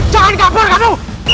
jangan kabur kamu